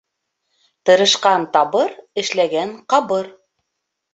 Тырышҡан табыр, эшләгән ҡабыр.